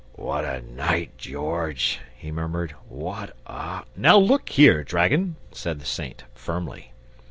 "What a night, George!" he murmured; "what a " "Now look here, dragon," said the Saint, firmly.